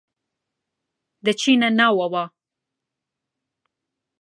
دەچینە ناوەوە.